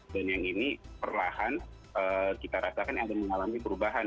dan yang ini perlahan kita rasakan ada mengalami perubahan